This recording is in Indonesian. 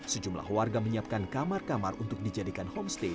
sejumlah warga menyiapkan kamar kamar untuk dijadikan homestay